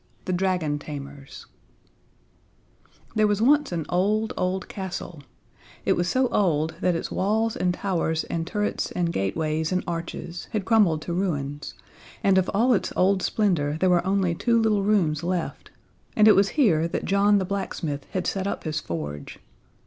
The Dragon Tamers There was once an old, old castle it was so old that its walls and towers and turrets and gateways and arches had crumbled to ruins, and of all its old splendor there were only two little rooms left; and it was here that John the blacksmith had set up his forge.